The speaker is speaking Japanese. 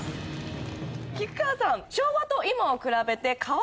菊川さん。